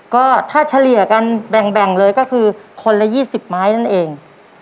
ก็ถ้าเฉลี่ยกันแบ่งเลยก็คือคนละ๒๐ไม้นั่นเอง